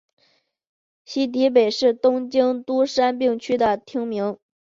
西荻北是东京都杉并区的町名。